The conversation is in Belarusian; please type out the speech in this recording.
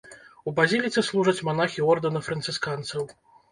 У базіліцы служаць манахі ордэна францысканцаў.